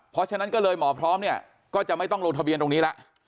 เพราะฉะนั้นก็เลยหมอพร้อมเนี่ยก็จะไม่ต้องลงทะเบียนตรงนี้ละ